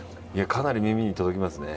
かなり耳に届きますね。